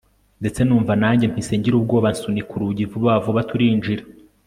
ndetse numva nanjye mpise ngira ubwoba, nsunika urugi vuba vuba turinjira